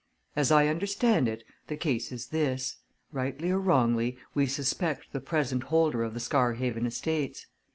As I understand it, the case is this rightly or wrongly we suspect the present holder of the Scarhaven estates.